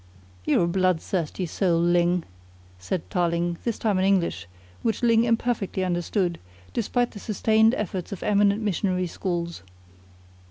"You're a bloodthirsty soul, Ling," said Tarling, this time in English, which Ling imperfectly understood, despite the sustained efforts of eminent missionary schools.